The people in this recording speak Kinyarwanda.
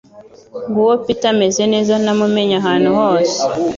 Nguwo Peter ameze neza - Namumenya ahantu hose!